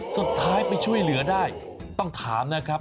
สุดท้ายไปช่วยเหลือได้ต้องถามนะครับ